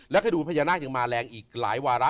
คดีพญานาคยังมาแรงอีกหลายวาระ